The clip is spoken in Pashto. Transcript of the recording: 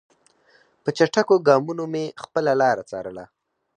په چټکو ګامونو مې خپله لاره څارله.